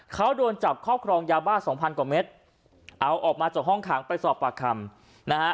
เขาโดนจับครอบครองยาวบ้า๒๐๐๐กว่าเมตรเอาออกมาจากห้องขังไปสอบปากคำ